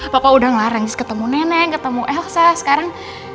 papa udah ngareng jes ketemu nenek ketemu elsa sekarang